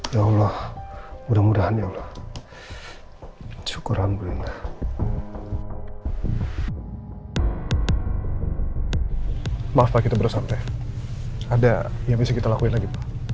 ya allah mudah mudahan ya allah syukur anduh maaf pak kita berusaha ada yang bisa kita lakukan lagi